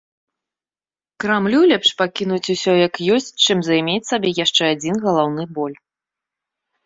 Крамлю лепш пакінуць усё, як ёсць, чым займець сабе яшчэ адзін галаўны боль.